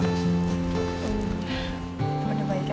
ternyata gak ada